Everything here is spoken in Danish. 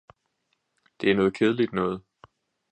det er noget kedeligt noget!